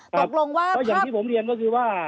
ตกลงว่าก็อย่างที่ผมเรียนก็คือว่า